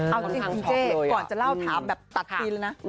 เอาจริงคุณเจ๊ก่อนจะเล่าถามแบบตัดทีเลยนะ